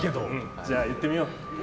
じゃあ言ってみよう。